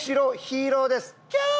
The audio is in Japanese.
キャー！